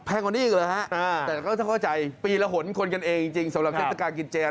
กว่านี้อีกเหรอฮะแต่ก็ต้องเข้าใจปีละหนคนกันเองจริงสำหรับเทศกาลกินเจน